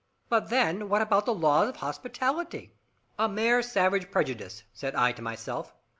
But then, what about the laws of hospitality? "A mere savage prejudice," said I to myself.